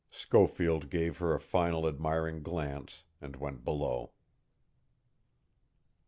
Schofield gave her a final admiring glance and went below.